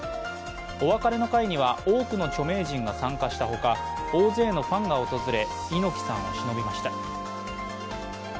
お別れの会には多くの著名人が参加したほか、大勢のファンが訪れ、猪木さんをしのびました。